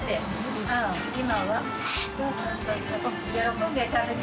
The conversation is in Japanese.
今は。